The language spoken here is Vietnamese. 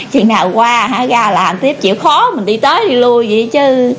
chuyện nào qua ra làm tiếp chịu khó mình đi tới đi lui vậy chứ